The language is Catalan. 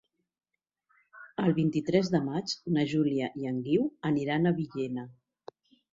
El vint-i-tres de maig na Júlia i en Guiu aniran a Villena.